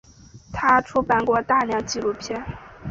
他出版过大量纪录片。